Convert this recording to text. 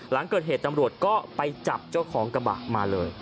หลังเกิดเหตุตำรวจก็ไปจับเจ้าของกระบะมาเลย